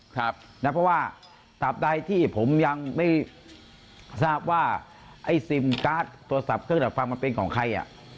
เพราะว่าตับใดที่ผมยังไม่ทราบว่าไอ้ซิมการ์ดโทรศัพท์เครื่องดักฟังมันเป็นของใคร